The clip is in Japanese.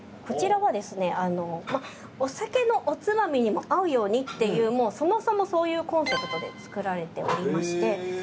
こちらはですねお酒のおつまみにも合うようにっていうそもそもそういうコンセプトで作られておりまして。